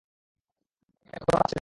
এখন ওর হাত ছেড়ে দিন।